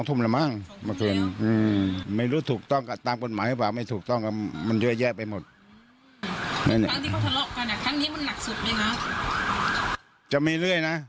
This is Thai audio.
แต่ว่าครั้งนี้รู้สึกจะหนักสุดที่ว่ามีกัน